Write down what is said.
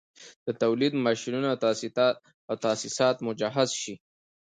د تولید ماشینونه او تاسیسات مجهز شي